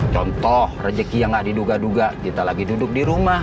contoh rezeki yang gak diduga duga kita lagi duduk di rumah